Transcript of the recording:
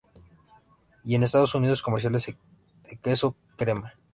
Y en Estados Unidos, comerciales de queso crema.